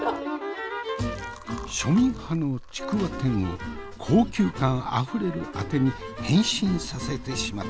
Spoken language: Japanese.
庶民派の竹輪天を高級感あふれるあてに変身させてしまったようだのう。